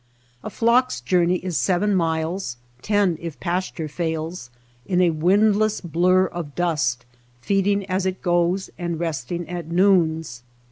A flock s journey is seven miles, ten if pasture fails, in a windless blur of dust, feeding as it goes, and resting at noons.